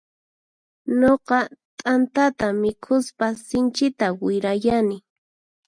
Nuqa t'antata mikhuspa sinchita wirayani.